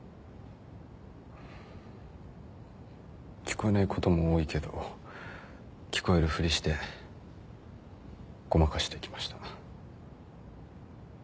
聞こえないことも多いけど聞こえるふりしてごまかしてきました。